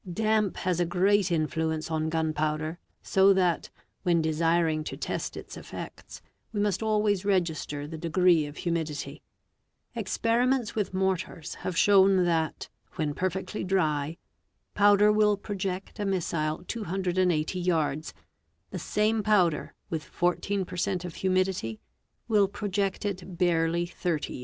Damp has a great influence on gun powder, so that, when desiring to test its effects, we must always _ register the degree of humidity. Experiments with mortars have shown that, when perfectly dry, powder will project a missile 280 yards, the same powder with 14 % of humidity will project it barely 30 yards.